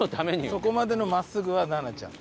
そこまでの真っすぐは菜那ちゃん。